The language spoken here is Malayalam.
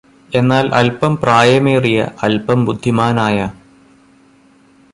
എന്നാല് അല്പം പ്രായമേറിയ അല്പം ബുദ്ധിമാനായ